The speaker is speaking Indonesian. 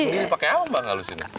biasanya dipakai apa mbak ngalusinnya